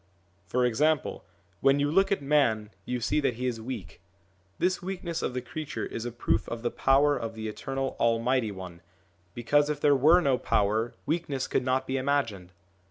For example, when you look at man you see that he is weak. This weakness of the creature is a proof of the power of the Eternal Almighty One, because 6 SOME ANSWERED QUESTIONS if there were no power weakness could not be imagined.